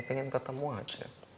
ya pengen ketemu aja